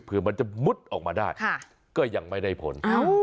เพื่อมันจะมุดออกมาได้ก็ยังไม่ได้ผล